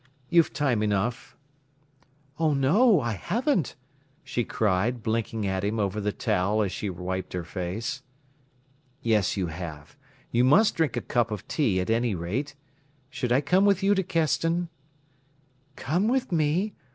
"You've time enough." "Oh no, I haven't!" she cried, blinking at him over the towel as she wiped her face. "Yes, you have. You must drink a cup of tea at any rate. Should I come with you to Keston?" "Come with me?